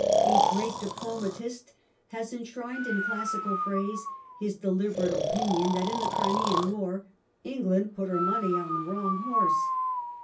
A great diplomatist has enshrined in classical phrase his deliberate opinion that in the Crimean War " England put her money on the wrong hoi se